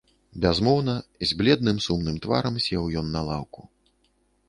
Бязмоўна, з бледным сумным тварам сеў ён на лаўку.